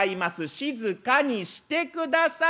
静かにしてください」。